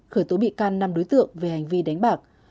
khởi tố bị can năm đối tượng về hành vi đánh bạc